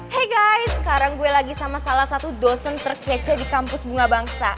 hey guy sekarang gue lagi sama salah satu dosen terkece di kampus bunga bangsa